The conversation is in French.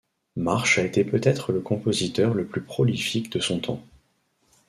Marsh a été peut-être le compositeur le plus prolifique de son temps.